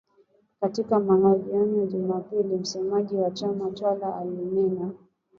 Katika mahojiano ya Jumapili, msemaji wa chama tawala alinena